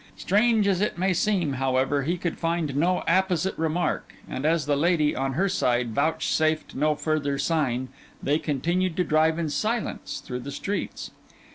Strange as it may seem, however, he could find no apposite remark; and as the lady, on her side, vouchsafed no further sign, they continued to drive in silence through the streets.